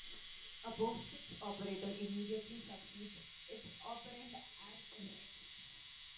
A postfix operator immediately succeeds its operand, as in x!